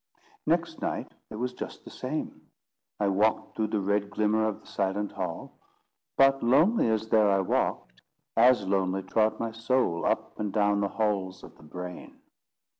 Next night, it was just the same. I walked through the red glimmer of the silent hall; but lonely as there I walked, as lonely trod my soul up and down the halls of the brain.